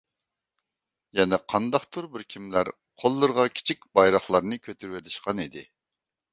يەنە قانداقتۇر بىر كىملەر قوللىرىغا كىچىك بايراقلارنى كۆتۈرۈۋېلىشقان ئىدى.